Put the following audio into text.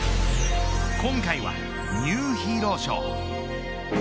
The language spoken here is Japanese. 今回はニューヒーロー賞。